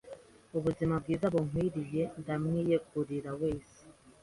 ubuzima bwiza bunkwiriye ndamwiyegurira wese